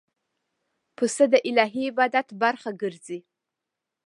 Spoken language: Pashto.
پسه د الهی عبادت برخه ګرځي.